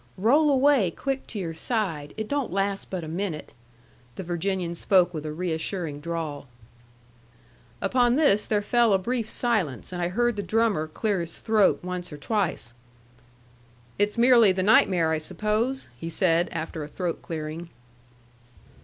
"Roll away quick to your side. It don't last but a minute." The Virginian spoke with a reassuring drawl. Upon this there fell a brief silence, and I heard the drummer clear his throat once or twice. "It's merely the nightmare, I suppose?" he said after a throat clearing.